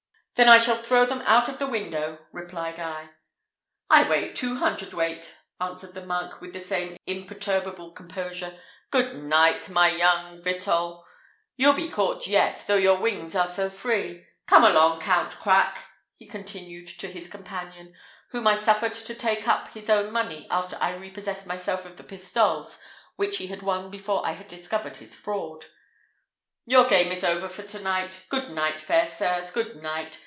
"Then I shall throw them out of the window," replied I. "I weigh two hundred weight," answered the monk, with the same imperturbable composure. "Good night, my young Wittol; you'll be caught yet, though your wings are so free. Come along, Count Crack!" he continued to his companion, whom I suffered to take up his own money after I had repossessed myself of the pistoles which he had won before I had discovered his fraud. "Your game is over for to night. Goodnight, fair sirs; good night!